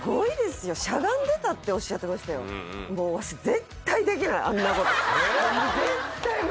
しゃがんでたっておっしゃってましたよええ？